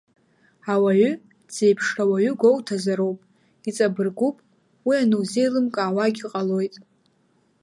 Ауаҩы дзеиԥшрауаҩу гәоуҭозароуп, иҵабыргуп уи анузеилымкаауагьы ҟалоит…